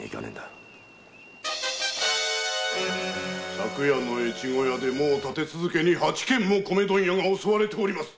昨夜の越後屋でもう立て続けに八件も米問屋が襲われております。